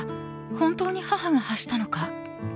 本当に母が発したのか？